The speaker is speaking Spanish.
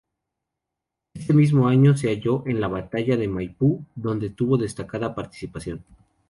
Este mismo año se halló en la batalla de Maipú, donde tuvo destacada participación.